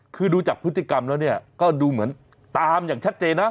คือดูจากพฤติกรรมแล้วเนี่ยก็ดูเหมือนตามอย่างชัดเจนนะ